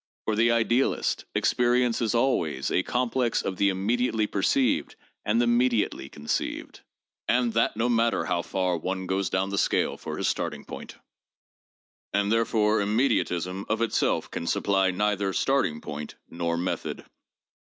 For the idealist, experience is always a complex of the immediately perceived and the mediately conceived, and that no matter how far one goes down the scale for his starting point ; and therefore immediatism of itself can supply neither starting point nor method.